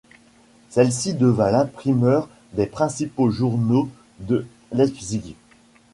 Celle-ci devint l'imprimeur des principaux journaux de Leipzig.